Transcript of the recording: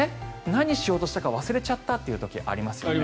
何しようとしたか忘れちゃったという時ありますよね。